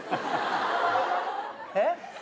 えっ？